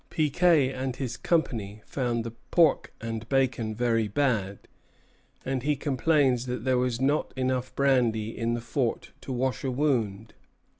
Piquet and his company found the pork and bacon very bad, and he complains that "there was not brandy enough in the fort to wash a wound."